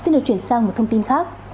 xin được chuyển sang một thông tin khác